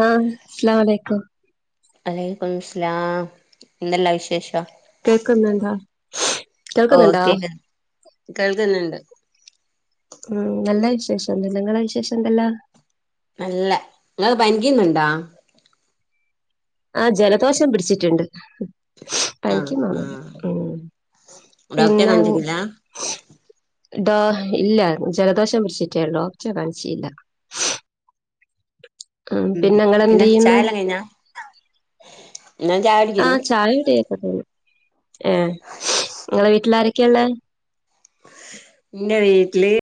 ആ അസ്സലാം അലൈക്കും വലൈക്കും സ്ലാം ന്തെല്ലാ വിശേഷം കേൾക്കുന്നുണ്ടോ കേൾക്കുന്നുണ്ടോ ഓക്കെ കേൾക്കുന്നുണ്ട് ഉം നല്ല വിശേഷം നിങ്ങടെ വിശേഷം ന്തല്ലാ നല്ല ഇങ്ങള് പനിക്ക് ന്ന് ണ്ടേ ആ ജലദോഷം പിടിച്ച്ട്ട്ണ്ട് ആഹ് പനിക്ക്ന്നെന്നും ഇല്ല ആഹ് ഡോക്ടറെ പിന്നെ കാണിച്ചിട്ടില്ല ഡോ ഇല്ല ജലദോഷം പിടിച്ചിട്ടേള്ളൂ ഡോക്റ്റ കാണിച്ചില്ല ഉം ഉ പിന്നെ പിന്ന നിങ്ങളെന്ത് ചെയ്യുന്ന് ചായല്ലാം കഴിഞ്ഞാ ഞാൻ ചായ ആ കുടിക്കുന്നു ചായ ടിയെക്കെ കയിഞ്ഞു ഏ ങ്ങളെ വീട്ടിൽ ആരൊക്കെള്ളെ ൻ്റെ വീട്ടില്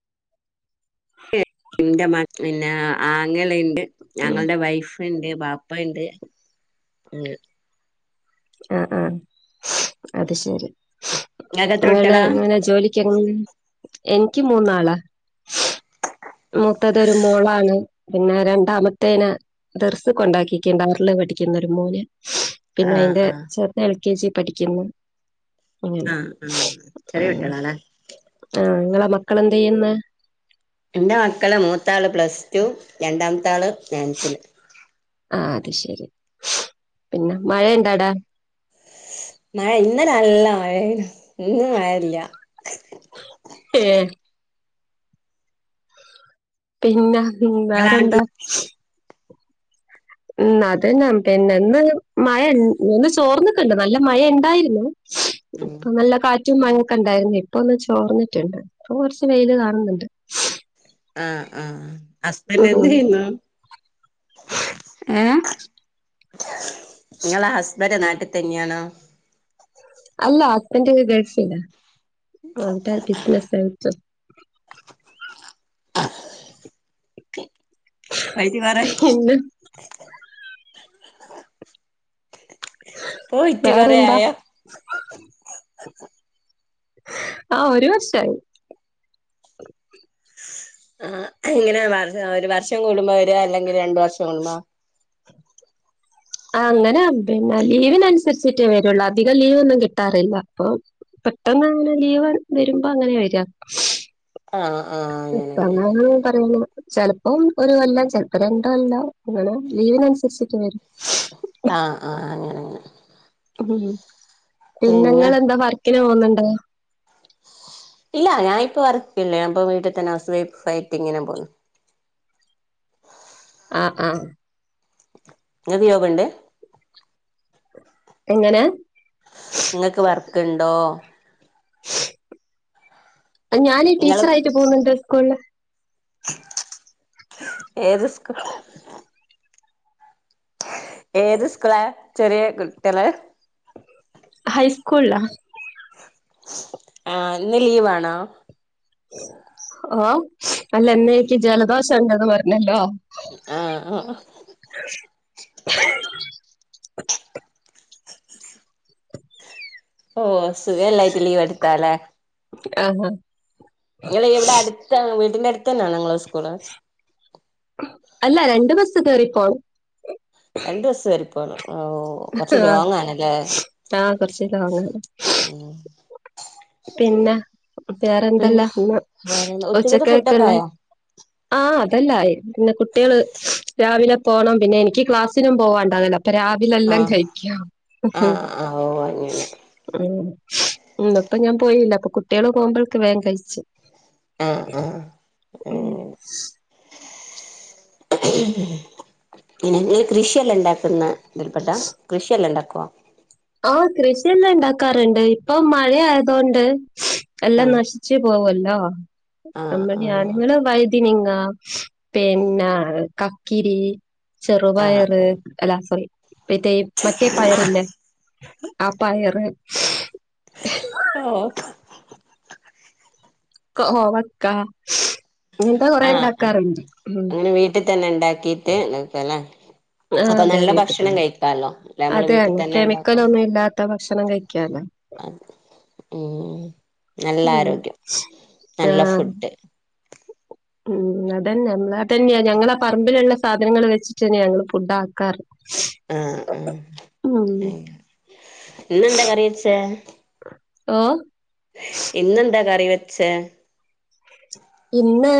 ന്റെ പിന്നെ ആ ങ്ങളിം ആങ്ങ ഉം ന്റെ വൈഫും ഉണ്ട് ബാപ്പ ണ്ട് ഏ അ ആ അത് ശരി ഇങ്ങക്ക് എത്ര ങ്ങള് കുട്ടികളാ എങ്ങനാ ജോലിക്ക് ങ്ങനാ എനിക്ക് മൂന്നാളാ മൂത്തത്ഒര് മോളാണ് പിന്നെ രണ്ടാമത്തേനെ ദർസ് കൊണ്ടാക്കിക്ക് ആറ് ല് പഠിയ്ക്കുന്നൊരു മോന് പിന്നെ ആഹ് അയിന്റെ ആഹ് ചെർത് എൽ കെ ജി പഠിക്ക്ന്ന് അങ്ങനെ ആഹ് ആഹ് ഉ ചെറിയ കുട്ടികളാല്ലേ ആ ങ്ങളെ മക്കളെന്തയ്യ്ന്ന് എന്റെ മക്കള് മൂത്താള് പ്ലസ് ടു രണ്ടാമത്താള് നയൻത്തില് ആ അത് ശരി പിന്നെ മഴ ണ്ടാ ടെ മഴ ഇന്നലെ നല്ല മഴേനി ഇന്നു മഴല്ല ഏ പിന്നെ ഉം നിങ്ങളാണ്ട് വേറെന്താ ഉ അതന്നാ പിന്നെന്ന് മഴ ന്ന് ചോർന്ന്ക്ക്ണ്ട് നല്ല മഴണ്ടായിര്ന്ന് ഉം ഇപ്പം നല്ല കാ റ്റും മഴൊക്കെണ്ടായിരുന്നേ ഇപ്പ ഒന്ന് ചോർന്നിട്ട്ണ്ട് ഇപ്പൊ കൊറച്ച് വെയില് കാണുന്നുണ്ട് ആ ആ ഹസ്ബൻഡ് എന്ത് ഉം ചെയ്യുന്നു ഏ ങ്ങളെ ഹസ്ബൻറ് നാട്ടിൽ തന്നെയാണോ അല്ല ഹസ്ബൻൻ്റ് ങ്ങ് ഗൾഫിലാ അവടെ ബിസിനസ് ആയിട്ട് [inaudible] [unintelligible] പിന്നെ [inaudible] പോയിറ്റ് കൊറേ വേറെന്താ ആയോ ആ ഒരു വർഷായി ആ ഇങ്ങനെ വർ ഒരു വർഷം കൂടുമ്പോ വരോ അല്ലെങ്കില് രണ്ടു വർഷം കൂടുമ്പോ? [inaudible] ആ അങ്ങനെ പിന്നെ ലീവിനനുസരിച്ചിട്ടേ വരുള്ളൂ. അധികം ലീവൊന്നും കിട്ടാറില്ല. അപ്പൊ പെട്ടെന്ന് അങ്ങനെ ലീവ് വരുമ്പോ അങ്ങനെ വരാ ആഹ് ആഹ് അങ്ങനെ ഇപ്പം അങ്ങന്നെന്നും [unintelligible] ചെലപ്പം ഒരു കൊല്ലം ചിലപ്പോ രണ്ട് കൊല്ലം അങ്ങനെ ലീവിനനുസരിച്ചിട്ട് വരും ആഹ് ആഹ് അങ്ങനങ്ങെന. ഉം. പിന്നെങ്ങള് ന്താ വർക്കിന് പോവുന്നുണ്ടോ? ഇല്ല ഞായിപ്പ വർക്കില്ല. ഞാപ്പോ വീട്ടിതന്നെ ഹൗസ് വൈഫ് ആയിട്ടിങ്ങനെ പോവുന്നു. ആ ആ. ങ്ങക്ക് [unintelligible] ണ്ട്? എങ്ങനെ? ങ്ങക്ക് വർക്കുണ്ടോ? ഞാന് ടീച്ചറായിട്ട് പോവുന്നുണ്ട് സ്കൂളില്. ഏതു സ്ക്കൂ [unintelligible] ഏത് സ്കൂള ചെറിയ കുട്ടികള് ഹൈസ്കൂള് ലാ. ആ ഇന്ന് ലീവാണോ? ഓ അല്ലനിക്ക് ജലദോഷ ഉണ്ടന്ന് പറഞ്ഞല്ലോ. ആഹ ആഹ് [inaudible] [inaudible] ഓ സുഖല്ലായിട്ട് ലീവ് എടുത്താലേ. ആഹ ഹാ. ങ്ങള് വിടെ അടുത്ത വീടിന്റെ അടുത്തന്നാണോ ങ്ങളെ സ്കൂള്? അല്ല രണ്ട് ബസ് കയറിപോണം. രണ്ട് ബസ് കേറി പോണം ഓ ങ്‌ഹ കൊറച്ച് ലോങ് ആണല്ലേ ആ കുറച്ച് ലോങ്ങാണ്. പിന്ന, വേറെന്തല്ല പിന്നെ ന്ന് വേറെന്താ ഉച്ചക്കത്തെ ഫുഡൊക്കെ ഉച്ചക്കായക്കൊള്ളേ? ആയോ ആ അതല്ലായി. പിന്നെ കുട്ടികള് രാവിലെ പോണം. പിന്നെ എനിക്ക് ക്ലാസ്സിനും പോവാണ്ടാവലോ അപ്പൊ രാ ലെല്ലാം ആഹ് കഴിക്ക്‌യും. ആഹ് ആഹ് ഓ അങ്ങനെ ഉം. ഉ ഇപ്പൊ ഞാൻ പോയില്ല അപ്പൊ കുട്ടികളെ പോകുമ്പോഴക്ക് വേഗം കഴിച്. ആഹ ആഹ. ഉം. പിന്നെ കൃഷിയല്ലാം ഉണ്ടാക്കുന്ന [unintelligible] കൃഷിയെല്ലാം ണ്ടാക്ക [unintelligible] ആ കൃഷിയെല്ലാം ഇണ്ടാക്കാറുണ്ട്. ഇപ്പൊ മഴ ആയതോണ്ട് എല്ലാം ആഹ് നശിച്ച് പോവല്ലോ. ആഹ് ആഹ് [unintelligible] വൈതിനി ങ്ങ, പിന്ന കക്കിരി, ചെറുപയറ് ആഹ് എല്ലാ [unintelligible] മറ്റേ മറ്റേ പയറില്ലേ, ആ പയറ്. ഓ. കോവക്ക ഇങ്ങനത്തെ കൊറെ ആഹ് ആഹ് ണ്ടാക്കാറുണ്ട്. അങ്ങനെ വീട്ടിൽ തന്നെ ഉണ്ടാക്കീട്ട് [unintelligible] ആ അപ്പൊ അതെ നല്ല വീട്ടിൽ ഭക്ഷണം തന്നെ കഴിക്കാല്ലോ. അല്ല നമ്മള് വീട്ടിൽ അതെയാണ് തന്നെ ഇണ്ടാക്കു കെമിക്കലൊന്നും ഇല്ലാത്ത ഭക്ഷണം കഴിക്കാലോ ഉം. നല്ല ഉം ആരോഗ്യം, നല്ല ആഹ് ഫുഡ്. ഉം അതന്നെ. നമ്മള്തന്ന്യാ ഞങ്ങള പറമ്പിലുള്ള സാധനങ്ങള് വെച്ചിട്ടന്ന്യാ ഞങ്ങള് ഫുഡ് ആക്കാറ്. ആഹ ആഹ ഉം ഇന്നെന്താ കറിവെച്ചേ? ഓ ചേ ഇന്ന്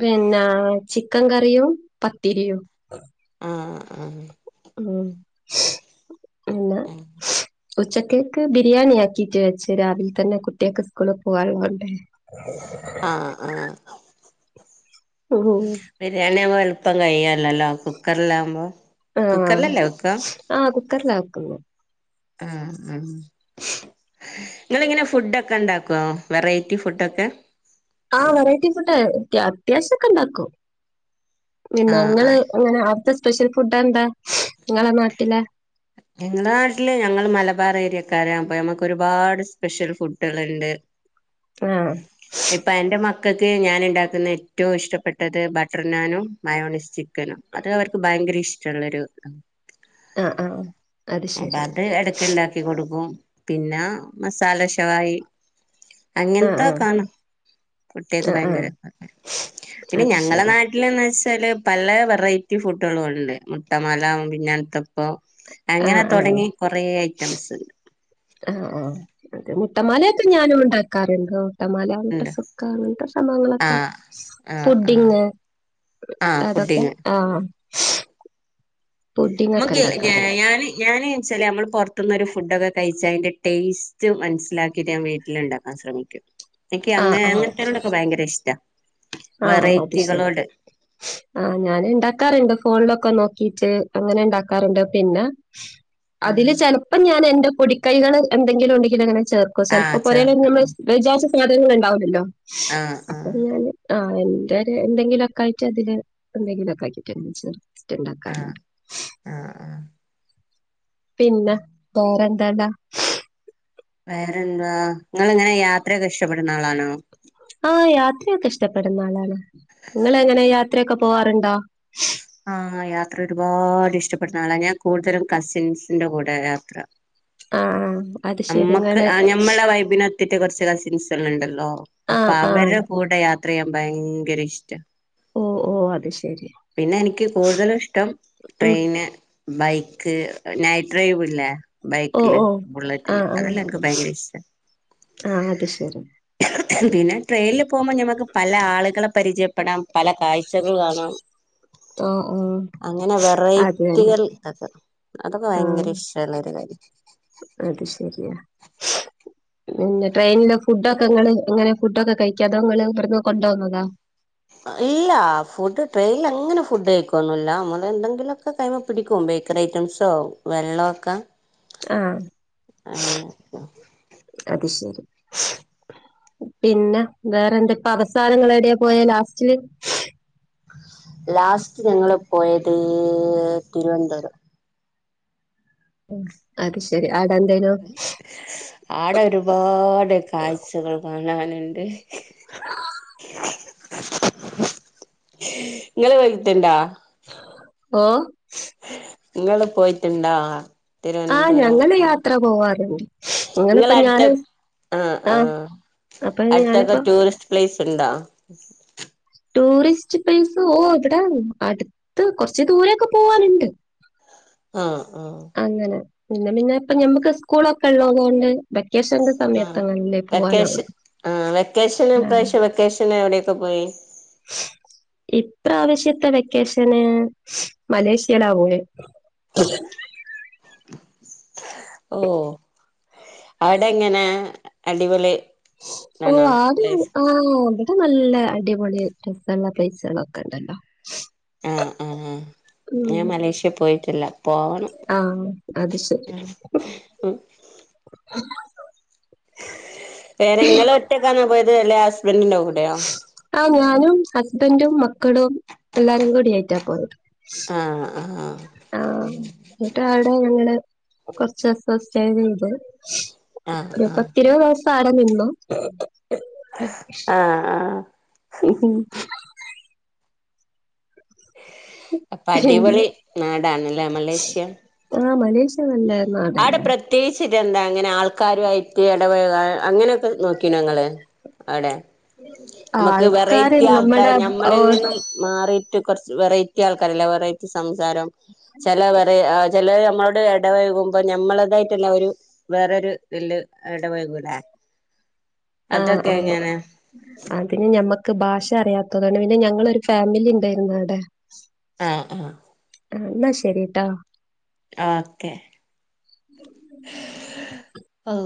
പിന്ന ചിക്കൻ കറിയും പത്തിരിയും ആ ആ ഉം പിന്ന ഉച്ചക്കേക്ക് ബിരിയാണി ആക്കിട്ട് വെച്ച, രാവിലെ തന്നെ കുട്ടിയാൾക്ക് സ്കൂളിൽ പോകാനും കൊണ്ടേ. ആഹ ആഹ. ഉം ബിരിയാണി ആവുമ്പോ എളുപ്പം കയ്യോലല്ലോ കുക്കറിലാവുമ്പോ. ആഹ കുക്കറിലല്ലേ വെക്കാ ആഹ കുക്കറില വെക്ക്ന്ന് ഉം ഉം നിങ്ങളിങ്ങനെ ഫുഡോക്കെ ണ്ടാക്കുവോ വെറൈറ്റി ഫുഡൊക്കെ ആ വെറൈറ്റി ഫുഡ അത്യാശ്യം ഒക്കെ ഉണ്ടാക്കും പിന്നെ ആഹ് നിങ്ങള് ആഹ് ഇങ്ങനെ അവ്ട്ത്തെ സ്പെഷ്യൽ ഫുഡ എന്താ നിങ്ങളെ നാട്ടിലെ ഞങ്ങള നാട്ടില് ഞങ്ങള്ൾ മലബാർ ഏരിയക്കാര് ആകുമ്പോ നമക്ക് ഒരുപാട് സ്പെഷ്യൽ ഫുഡുകൾണ്ട് ആഹ ക്കക്ക് ഞാൻ ഉണ്ടാക്കുന്ന ഏറ്റവും ഇഷ്ടപ്പെട്ടത് ബട്ടർ നാനും മയോണിസ്റ്റി അത് അവർക്ക് ഭയങ്കര ഇഷ്ടമുള്ളരു ആഹ ആഹ അപ്പൊ അത് എടക്കുണ്ടാക്കി കൊടുക്കും പിന്നെ മസാല ഷാവായി ആ അങ്ങനത്തെ ആ കാണും കുട്ടികക്ക് ആ ആ ഭയങ്കര പിന്നെ അത് ഞങ്ങളുടെ ശരി നാട്ടിലെന്ന് വെച്ച ല് പല വെറൈറ്റി ഫുഡുകളും ഉണ്ട് മുട്ടമാല പിന്നെ കൽത്തപ്പം ആ അങ്ങനെ ആ തുടങ്ങി കൊറേ ഐറ്റംസ് ആ ആ മുട്ടമാലൊക്കെ ഞാനും ഉണ്ടാക്കാറുണ്ട് മുട്ടമാല ഉണ്ട് മുറ്റസുർക്ക അഅങ്ങനെത്തെ സംഭവങ്ങളൊക്കെ ആഹ് ആഹ് ആഹ് പുഡ്ഡിംഗ് ആഹ് അതൊക്കെ പുഡിങ് ആ പുഡിങ് ഒക്കെ നമക്ക് ഞ ഉണ്ടാക്കാറുണ്ട് ഞാന് ഞാന് ച്ചലെ നമ്മൾ പുറത്തുന്നരു ഫുഡൊക്കെ കഴിച്ചാ അതിന്റെ ടേസ്റ്റ് മനസ്സിലാക്കിട്ട് ഞാൻ വീട്ടിൽ ഉണ്ടാക്കാൻ ശ്രമിക്കും എനിക്ക് ആ അങ്ങെ ആ അങ്ങത്തയിന്റെടൊക്കെ ഭയങ്കര ഇഷ്ട ആ അത് ശരി ആ ഞാന ഉണ്ടാക്കാറുണ്ട് ഫോണിലൊക്കെ നോ റ്ക്കിട്ട് അങ്ങനെ ഉണ്ടാക്കാറുണ്ട് പിന്നെ അതില് ആഹ് ചിലപ്പോം ഞാൻ എന്റെ പൊടിക്കൈകൾ എന്തെങ്കിലും ഉണ്ടെങ്കിലിൽ അങ്ങനെ ചേർക്കോ ആഹ് ചിലപ്പോ ചേർക്ക പോരെലെനു നമ്മൾ വിചാരിച്ച സാധനങ്ങൾണ്ടാവില്ലല്ലോ അഹ് അഹ് ആ എന്റെ എന്തെങ്കിലുക്കെ ആയിട്ട് അതില് എന്തെങ്കിലുക്കെ ആയിട്ട് ചെ ആഹ് ണ്ടാക്കാറുണ്ട് ആഹ് ആഹ് പിന്നെ വേറെന്തടാ വേറെന്താ നിങ്ങൾ ഇങ്ങനെ യാത്രയൊക്കെ ഇഷ്ടപ്പെടുന്ന ആളാണോ ആ യാത്രയൊക്കെ ഇഷ്ടപ്പെടുന്ന ആളാണ് നിങ്ങൾ എങ്ങനെ യാത്രയൊക്കെ പോവാറുണ്ടോ ആ ആ യാത്ര ഒരുപാട് ഇഷ്ടപ്പെടുന്ന ആള ഞാൻ കൂടുതലും കസിൻസിന്റെ കൂടെ യാത്ര ആഹ് ആഹ് അത് ശരി. നമ്മക്ക് ഇങ്ങള് ആ ഞമ്മുടെ വൈബിനൊത്തിട്ട് കുറച് കസിൻസെല്ലാം ഉണ്ടല്ലോ അപ്പൊ ആഹ് ആഹ് അവരുടെ കൂടെ യാത്ര ചെയ്യാൻ ഭയങ്കര ഇഷ്ട ഓ ഓ അതെശ് പിന്നെ എനിക്ക് കൂടുതല് ഇഷ്ടം ഉം ട്രെയിന് ബൈക്ക് നൈറ്റ് ഡ്രൈവ് ഇല്ലേ ഓഹ് ബൈക്കില് ഓഹ് ബുള്ളറ്റില് ആഹ് ആഹ് അതെല്ലാം എനിക്ക് ഭയങ്കര ഇഷ്ട ആഹ് അത് ശരി പിന്നെ ട്രെയിനിൽ പോകുമ്പോൾ ഞമ്മുക്ക് പല ആളുകളെ പരിചയപ്പെടാം പല കാഴ്ചകൾ കാണാം ആഹ് ആഹ് അങ്ങനെ അത് തന്നെ വറൈറ്റികൾ അതൊക്കെ ഭയങ്കര ആഹ് ഇഷ്ടല്ലരു അത് ശരിയാ പിന്നെ ട്രെയിനില് ഫുഡൊക്കെ നിങ്ങൾ ഇങ്ങനെ ഫുഡൊക്കെ കഴിക്കാ അതോ നിങൾ ഇവിടന്ന് കൊണ്ടുപോന്നതാ ഇല്ല ഫുഡ് ട്രെയിനിൽ അങ്ങനെ ഫുഡ് കഴിക്കുന്നല്ല നമ്മള് എന്തെിലൊക്കെ കൈമാ പിടിക്കു ബേക്കറി ഐറ്റംസോ വെള്ളക്കെ അ അത് ശെരി പിന്നെ വേറെന്താ ഇപ്പ അവസാനങ്ങളെട്യ പോയെ ലാസ്റ്റില് ലാസ്റ്റ് ഞങ്ങൾ പോയത് തിരുവനന്തപുരം ഉം അത് ശെരിയാ [unintelligible] ആടെ ഒരുപാട് കാഴ്ചകൾ കാണാനുണ്ട് ങ്ങള് [unintelligible] ഓ ങ്ങള് പോയിറ്റ്ണ്ടോ ആഹ് തിരുവനന്തപുരം ഞങ്ങള് യാത്ര പോവാറുണ്ട് ഞങ്ങളിപ്പ നിങ്ങളടുത്ത ഞാന് അ അ ആഹ് അപ്പൊ അടുത്തൊക്കെ ഞാനിപ്പോ ടൂറിസ്റ്റ് പ്ലേസ് ണ്ടോ ടൂറിസ്റ്റ് പ്ലേസ് ഓ ഇവിടെ അടുത്ത് കൊറച്ച് ദൂരൊക്കെ പോവാന്ണ്ട് ആ ആ പിന്നെ പിന്നെ ഇപ്പഞമ്മക്ക് സ്കൂളൊക്കെ ള്ളതോണ്ട് പ ആ വെക്കേഷൻ ആ വെക്കേഷന് ആഹ് ഇപ്രാവശ്യം വെക്കേഷന് എവിടെക്കെ പോയി ഇപ്രാശ്യത്തെ വെക്കേഷന് മലേഷ്യയിലാ പോയെ [inaudible] ഓ അവിടെ ങ്ങനെ അടിപൊളി ഓ ആണോ ആതു പ്ലേസ് ആ അതെ നല്ല അടിപൊളി രസള്ള പ്ലേസാളൊക്കെ ണ്ടല്ലോ ആ ആ ഞാൻ മലേഷ്യ പോയിട്ടില്ല പോവണം ആഹ് അത് ശരി. [inaudible] വേറെ ങ്ങള് ഒറ്റക്കാനോ പോയത് അല്ലേ ഹസ്ബന്റീന്റെ കൂടെയോ ആഹ് ഞാനും ഹസ്ബൻറും മക്കളും എല്ലാരും കൂടി ആയിറ്റാ പോയത് ആഹ് ആഹ് ആ ന്നിട്ട് അവിടെ ഞങ്ങള് കൊറച്ചുസം സ്റ്റേ ചെയ്ത് ആഹ് ഒരു ആഹ് പത്തിരുപത് ദിവസം ആടെ നിന്നു ആ ആ അപ്പൊ പിന്നെ അടിപൊളി നാടാണല്ലേ മലേഷ്യ ആ മലേഷ്യ നല്ലേ അവിടെ പ്രത്യേകിച്ചിട്ടെന്താ ങ്ങനെ ആൾക്കാരായിട്ട് എടപയകാൻ അങ്ങനൊക്കെ നോക്കിനോ ങ്ങള് അവടെ നമുക്ക് ആൾക്കാര് വെറൈറ്റി നമ്മടെ ആൾക്കാരെ ഓ ഞമ്മളിൽ നിന്നും മാറിട്ട് കൊർച്ച് വെറൈറ്റി ആൾക്കാരല്ലേ വെറൈറ്റി സംസാരം ചെല വെറ ചെലോര് ഞമ്മളോട് ൽ എടപയകുമ്പോ ഞമ്മളതായിട്ട്ള്ളൊരു വേറൊരുത് ല് എടപയകൂല്ലേ അതൊക്കെങ്ങനെ പിന്നെ ഞമ്മക്ക് ഭാഷ അറിയാത്തതാണ് പിന്നെ ഞങ്ങളൊരു ഫാമിലിണ്ടായിര്ന്നുവിടെ ആ ആ ആ ന്നാ ശെരി ട്ടോ ഓക്കെ ഓ